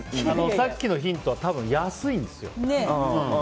さっきのヒントは多分、安いんですよ。